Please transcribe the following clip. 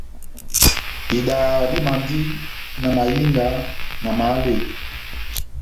Idaha dimandi na mahinga, na mahaleya.